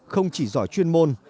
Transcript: không chỉ giỏi chuyên môn